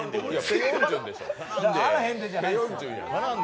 ペ・ヨンジュンでしょ。